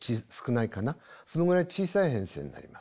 そのぐらい小さい編成になります。